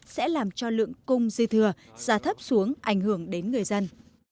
sẽ làm cho lượng cung dư thừa giá thấp xuống ảnh hưởng đến người dân